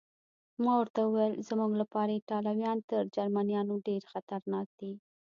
ما ورته وویل: زموږ لپاره ایټالویان تر جرمنیانو ډېر خطرناک دي.